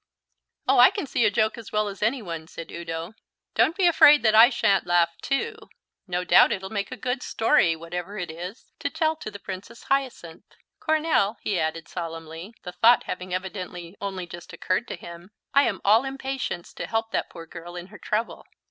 "Oh, I can see a joke as well as any one," said Udo. "Don't be afraid that I shan't laugh, too. No doubt it will make a good story, whatever it is, to tell to the Princess Hyacinth. Coronel," he added solemnly, the thought having evidently only just occurred to him, "I am all impatience to help that poor girl in her trouble."